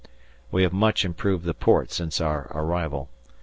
We have much improved the port since our arrival.